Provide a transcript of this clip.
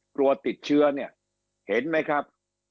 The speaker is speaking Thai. กลัวติดเชื้อเนี่ยเห็นไหมครับ